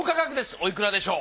おいくらでしょう？